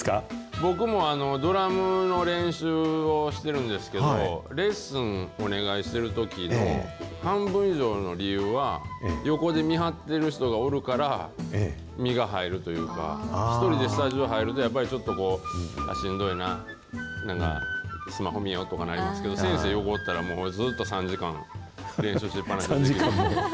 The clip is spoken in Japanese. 僕もドラムの練習をしてるんですけど、レッスンお願いしてるときの半分以上の理由は、横で見張ってる人がおるから、身が入るというか、一人でスタジオ入ると、やっぱりちょっとこう、しんどいな、なんかスマホ見よとか、なりますけど、先生横おったら、もうずっと３時間、練習しっ放し。